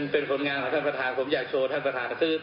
เป็นหลังงานของท่านประธานครับผมอยากโชว์ท่านประธาน